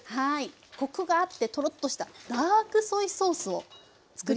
コクがあってトロッとしたダークソイソースを作りたいと思います。